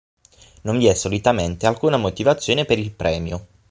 Non vi è solitamente alcuna motivazione per il premio.